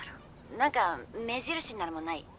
なんか目印になるもん無い？